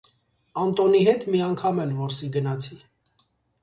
Անտոնի հետ մի անգամ էլ որսի գնացի: